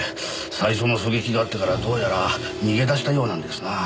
最初の狙撃があってからどうやら逃げ出したようなんですな。